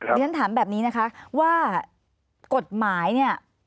เรียนถามแบบนี้นะคะว่ากฎหมายเนี่ย